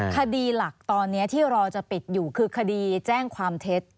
คดีหลักตอนนี้ที่รอจะปิดอยู่คือคดีแจ้งความเท็จ